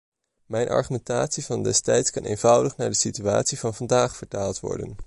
Mijn argumentatie van destijds kan eenvoudig naar de situatie van vandaag vertaald worden.